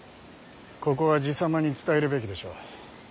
ここは爺様に伝えるべきでしょう。